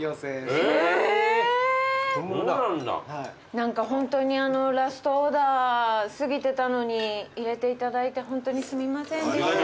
何かホントにラストオーダー過ぎてたのに入れていただいてホントにすみませんでした。